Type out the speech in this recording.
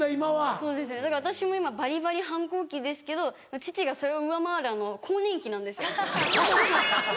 そうですねだから私も今バリバリ反抗期ですけど父がそれを上回る更年期なんですよ。